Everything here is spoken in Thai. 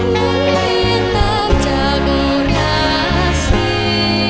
มุนเรียนตามจากโอราสี